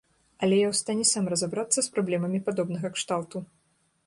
Але я ў стане сам разабрацца з праблемамі падобнага кшталту.